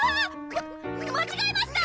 ま間違えました！